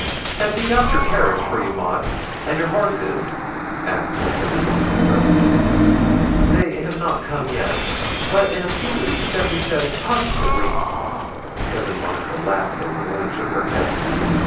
'Has he got your carriage for you, Maud, and your horses?' asked Cousin Monica, suddenly. 'They have not come yet, but in a few weeks, Dudley says, positively ' Cousin Monica laughed a little and shook her head.